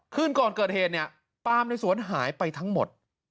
คืนก่อนเกิดเหตุเนี่ยปาล์มในสวนหายไปทั้งหมด